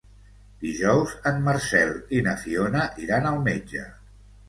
Dijous en Marcel i na Fiona iran al metge.